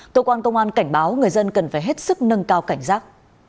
tổ quán công an cảnh báo người dân cần phải hết sức nâng cao cảnh giác